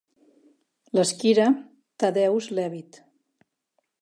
L'esquire Thaddeus Leavitt